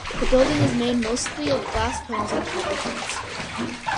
The building is made mostly of glass panels and copper sheets.